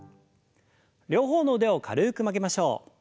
両方の腕を軽く曲げましょう。